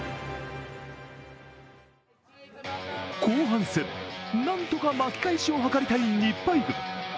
後半戦、何とか巻き返しを図りたい日配軍。